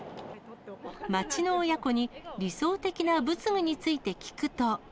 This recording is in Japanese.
街の親子に理想的な仏具について聞くと。